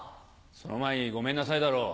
その前に「ごめんなさい」だろ。